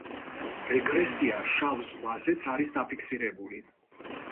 რეგრესია შავ ზღვაზეც არის დაფიქსირებული.